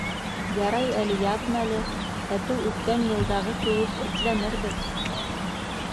Ярай әле яҙ мәле, әтеү үткән йылдағы кеүек этләнербеҙ.